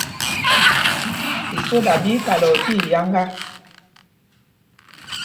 Isóda ɓí í kalɔɔ tíiyáŋgá.